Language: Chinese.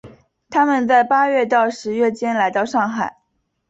他们在八月到十月间来到上海。